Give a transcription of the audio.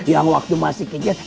yang waktu masih kejar